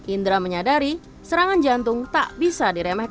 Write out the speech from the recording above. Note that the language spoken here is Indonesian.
indra menyadari serangan jantung tak bisa diremehkan